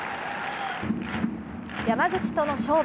山口との勝負。